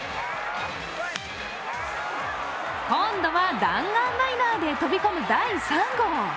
今度は弾丸ライナーで飛び込む第３号。